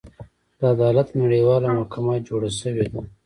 د عدالت نړیواله محکمه جوړه شوې ده.